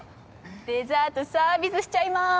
デザートサービスしちゃいます。